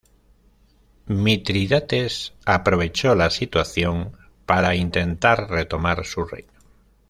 Mitrídates aprovechó la situación para intentar retomar su reino.